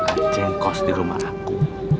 acing kos dirumah aku